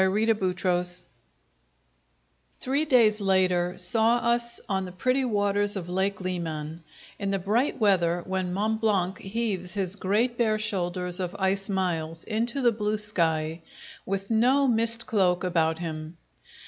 Chapter Five Three days later saw us on the pretty waters of Lake Leman, in the bright weather when Mont Blanc heaves his great bare shoulders of ice miles into the blue sky, with no mist cloak about him.